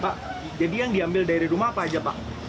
pak jadi yang diambil dari rumah apa aja pak